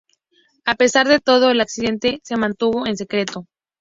A pesar de todo, el accidente se mantuvo en secreto.